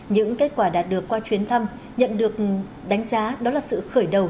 những kết quả đạt được qua chuyến thăm nhận được đánh giá đó là sự khởi đầu